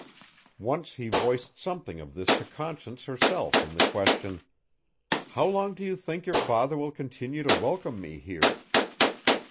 Once he voiced something of this to Conscience herself in the question, "How long do you think your father will continue to welcome me here?"